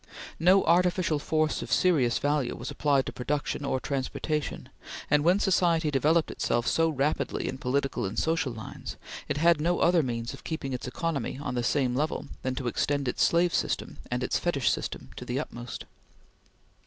No artificial force of serious value was applied to production or transportation, and when society developed itself so rapidly in political and social lines, it had no other means of keeping its economy on the same level than to extend its slave system and its fetish system to the utmost.